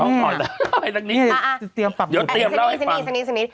ต้องก่อส่องให้นั่นนี่นะนี่มาสะนี